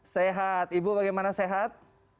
sehat ibu bagaimana sehat